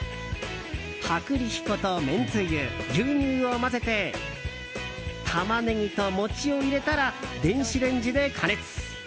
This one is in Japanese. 薄力粉とめんつゆ牛乳を混ぜてタマネギと餅を入れたら電子レンジで加熱。